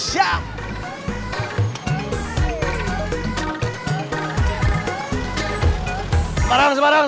semarang semarang semarang